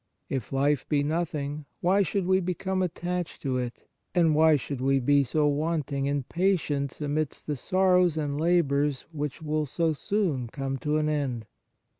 If life be nothing, why should we become attached to it, and why should we be so wanting in patience amidst the sorrows and labours which will so soon come to an end